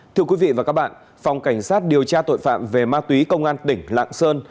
thưa quý vị và các bạn phòng cảnh sát điều tra tội phạm về ma túy công an tỉnh lạng sơn